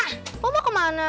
pokoknya mau kemana